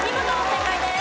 正解です。